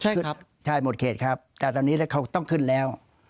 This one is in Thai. ขึ้นใช่หมดเขตครับแต่ตอนนี้เขาต้องขึ้นแล้ว